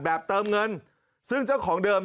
เติมเงินซึ่งเจ้าของเดิม